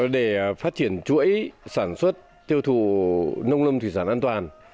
để phát triển chuỗi sản xuất tiêu thụ nông lâm thủy sản an toàn